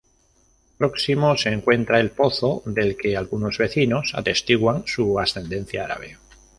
Próximo se encuentra El Pozo, del que algunos vecinos atestiguan su ascendencia árabe.